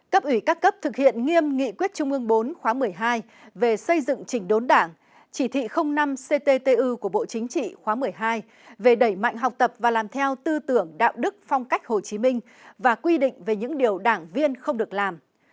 cấp ủy các cấp thực hiện nghiêm nghị quyết trung ương bốn khóa một mươi hai về xây dựng chỉnh đốn đảng chỉ thị năm cttu của bộ chính trị khóa một mươi hai về đẩy mạnh học tập và làm theo tư tưởng đạo đức phong cách hồ chí minh và quy định về những điều đảng viên không được làm